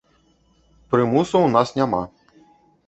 Прымусу ў нас няма.